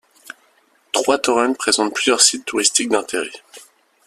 Troistorrents présente plusieurs sites touristiques d'intérêt.